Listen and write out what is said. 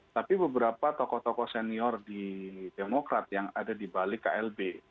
tapi beberapa tokoh tokoh senior di demokrat yang ada di balik klb